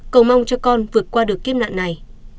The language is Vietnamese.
cầu mong cho con vượt qua được kiếp nạn này